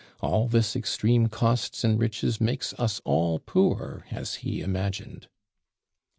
"All this extreme costs and riches makes us all poor," as he imagined!